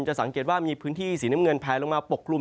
จะสังเกตว่ามีพื้นที่สีน้ำเงินแผลลงมาปกกลุ่ม